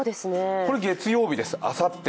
月曜日です、あさって。